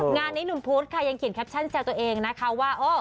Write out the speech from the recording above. งานนี้หนุ่มพุธค่ะยังเขียนแคปชั่นแซวตัวเองนะคะว่า